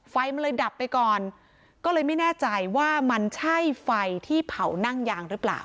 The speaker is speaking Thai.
ไฟมันเลยดับไปก่อนก็เลยไม่แน่ใจว่ามันใช่ไฟที่เผานั่งยางหรือเปล่า